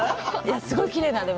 すごいきれいなんで。